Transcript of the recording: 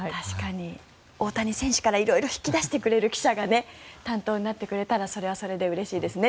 大谷選手から色々引き出してくれる記者が担当になってくれたらそれはそれでうれしいですね。